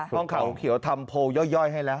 ห้องเขาเขียวทำโพลย่อยให้แล้ว